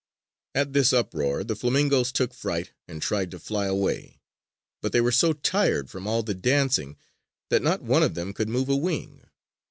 At this uproar, the flamingoes took fright and tried to fly away. But they were so tired from all the dancing that not one of them could move a wing.